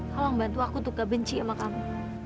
tolong bantu aku untuk gak benci sama kamu